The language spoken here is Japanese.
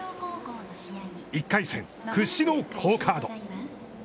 １回戦屈指の好カード。